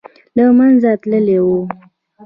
له منځه تللی وو.